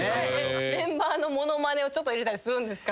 メンバーの物まねをちょっと入れたりするんですか？